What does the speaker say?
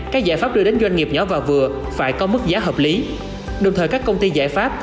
các giải pháp đưa đến doanh nghiệp nhỏ và vừa phải có mức giá hợp lý đồng thời các công ty giải pháp